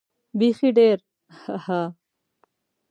بېخي ډېر هههه.